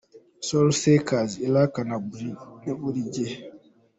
Soul Seekers - Iraq n’u Bubiligi.